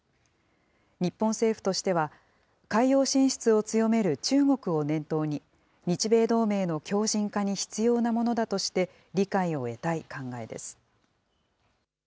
日本政府としては、海洋進出を強める中国を念頭に、日米同盟の強じん化に必要なものだとして理解を得たい考えです。